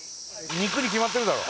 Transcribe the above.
肉に決まってるだろ！